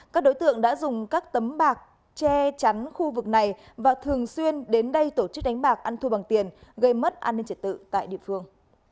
các đối tượng đã dùng các tấm bạc che chắn khu vực này và thường xuyên đến đây tổ chức đánh bạc ăn thua bằng tiền gây mất an ninh trật tự tại địa phương